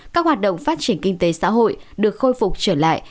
các hoạt động phát triển kinh tế xã hội được khôi phục trở lại